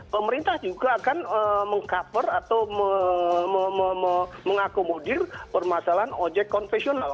pemerintah juga akan meng cover atau mengakomodir permasalahan ojek konvensional